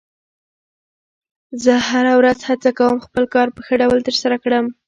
زه هره ورځ هڅه کوم خپل کار په ښه ډول ترسره کړم